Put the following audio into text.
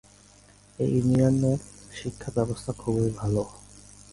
এই ইউনিয়নের শিক্ষা ব্যবস্থা খুবই ভালো।